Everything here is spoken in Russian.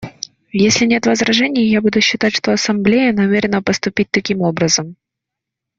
Если нет возражений, я буду считать, что Ассамблея намерена поступить таким образом.